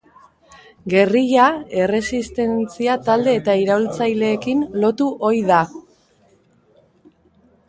Gerrilla erresistentzia talde eta iraultzaileekin lotu ohi da.